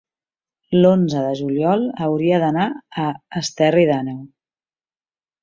l'onze de juliol hauria d'anar a Esterri d'Àneu.